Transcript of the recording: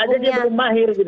tembak aja dia belum mahir